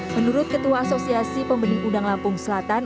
menurut ketua asosiasi pembenih udang lampung selatan